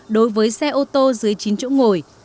đối với xe ô tô dưới chín chỗ ngồi